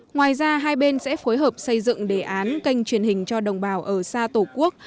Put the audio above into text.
ngoài ra hai bên sẽ phối hợp xây dựng đề án kênh truyền hình cho đồng bào ở xa tổ quốc